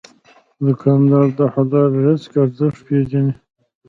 دوکاندار د حلال رزق ارزښت پېژني.